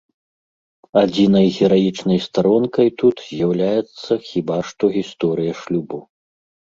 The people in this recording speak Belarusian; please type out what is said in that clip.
Адзінай гераічнай старонкай тут з'яўляецца хіба што гісторыя шлюбу.